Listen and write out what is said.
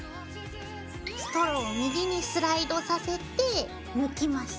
ストローを右にスライドさせて抜きます。